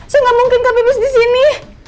saya gak mungkin ke pipis disini